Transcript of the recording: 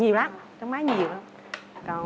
nhiều lắm tráng máy nhiều lắm